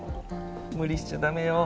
無理しちゃ駄目よ。